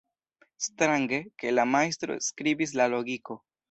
Strange, ke la majstro skribis la logiko.